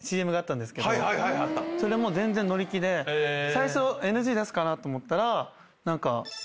最初ＮＧ出すかなと思ったら。